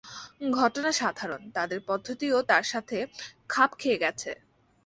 ঘটনা সাধারণ, তাদের পদ্ধতিও তার সাথে খাপ খেয়ে গেছে।